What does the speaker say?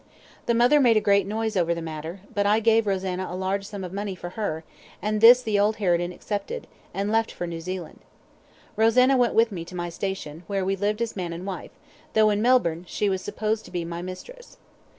The mother made a great noise over the matter, but I gave Rosanna a large sum of money for her, and this the old harridan accepted, and left for New Zealand. Rosanna went with me to my station, where we lived as man and wife, though, in Melbourne, she was supposed to be my mistress.